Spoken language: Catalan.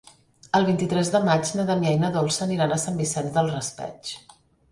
El vint-i-tres de maig na Damià i na Dolça aniran a Sant Vicent del Raspeig.